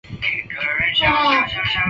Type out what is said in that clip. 科伦坡区是斯里兰卡西部省的一个区。